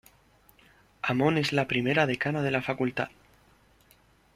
Amon es la primera decana de la Facultad.